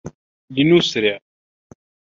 لنسرع.